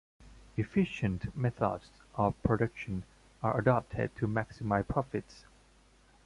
Efficient methods of production are adopted to maximize profits.